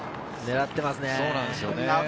狙っていますね。